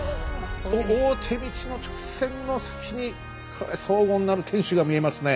大手道の直線の先にこれ荘厳なる天主が見えますね。